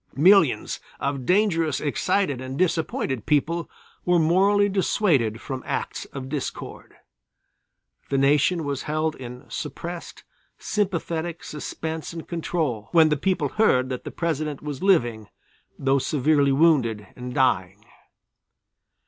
Millions of dangerous, excited and disappointed people were morally dissuaded from acts of discord. The nation was held in suppressed, sympathetic suspense and control, when the people heard that the President was living, though severely wounded and dying.